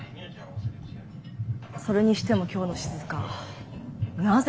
それにしても今日のしずかなぜ